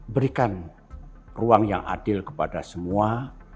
berikan ruang yang adil kepada semua